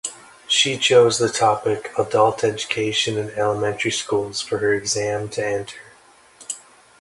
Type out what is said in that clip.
She chose the topic "Adult Education and Elementary Schools" for her exam to enter.